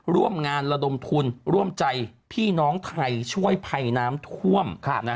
ร่วมงานระดมทุนร่วมใจพี่น้องไทยช่วยภัยน้ำท่วม